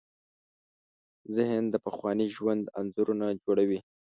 ذهن د پخواني ژوند انځورونه جوړوي.